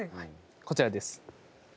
こちらです。